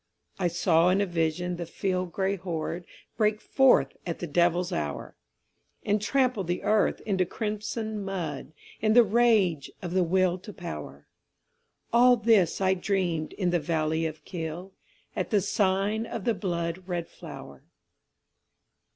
I saw in a vision the field gray horde Break forth at the devil's hour, And trample the earth into crimson mud In the rage of the Will to Power, All this I dreamed in the valley of Kyll, At the sign of the blood red flower.